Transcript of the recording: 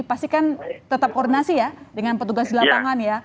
pastikan tetap koordinasi ya dengan petugas di lapangan ya